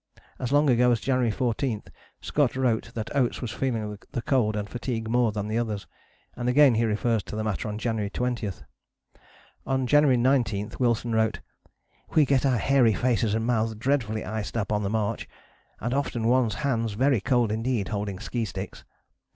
As long ago as January 14 Scott wrote that Oates was feeling the cold and fatigue more than the others and again he refers to the matter on January 20. On January 19 Wilson wrote: "We get our hairy faces and mouths dreadfully iced up on the march, and often one's hands very cold indeed holding ski sticks.